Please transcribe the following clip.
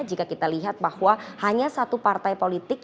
jika kita lihat bahwa hanya satu partai politik